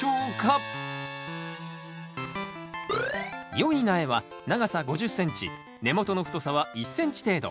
よい苗は長さ５０ｃｍ根元の太さは１ｃｍ程度。